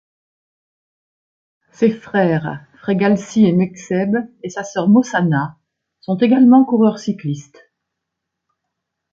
Ses frères, Fregalsi et Mekseb et sa sœur Mossana sont également coureurs cyclistes.